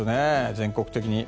全国的に。